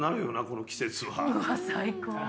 この季節は。